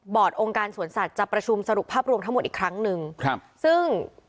องค์การสวนสัตว์จะประชุมสรุปภาพรวมทั้งหมดอีกครั้งหนึ่งครับซึ่ง